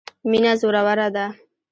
مینه زوروره ده.